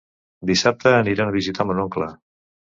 Dissabte aniran a visitar mon oncle.